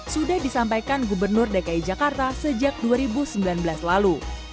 sudah disampaikan gubernur dki jakarta sejak dua ribu sembilan belas lalu